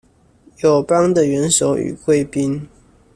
友邦的元首與貴賓